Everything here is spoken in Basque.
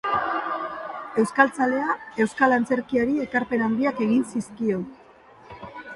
Euskaltzalea, euskal antzerkiari ekarpen handiak egin zizkion.